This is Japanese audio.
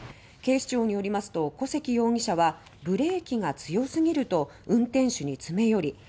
警視庁によりますと古関容疑者は「ブレーキが強すぎる」と運転手に詰め寄り